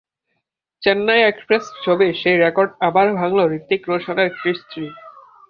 Chennai Express ছবির সেই record আবার ভাঙল হূতিক রোশনের কৃষ থ্রি।